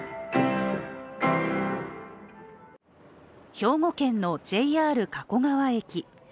兵庫県のＪＲ加古川駅。